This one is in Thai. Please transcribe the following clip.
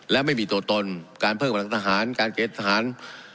และไม่มีตัวตนการเพิ่มกำลังทหารการเกณฑ์ทหาร